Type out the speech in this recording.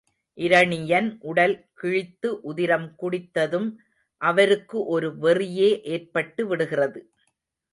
இரணியன் உடல் கிழித்து உதிரம் குடித்ததும் அவருக்கு ஒரு வெறியே ஏற்பட்டு விடுகிறது.